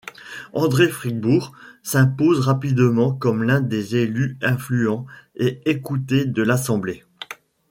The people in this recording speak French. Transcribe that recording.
André-Fribourg s'impose rapidement comme l'un des élus influents et écoutés de l'assemblée.